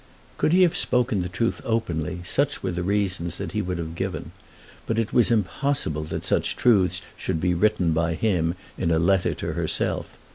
Could he have spoken the truth openly, such were the reasons that he would have given; but it was impossible that such truths should be written by him in a letter to herself.